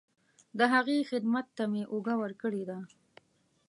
د هغې خدمت ته مې اوږه ورکړې ده.